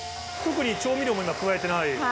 特に調味料も加えてない？